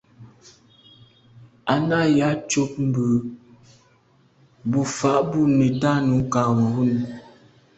À nɑ̀’ yǎ cûp bú mbə̌ bū fâ’ bû nə̀tɑ́ nǔm Cameroun.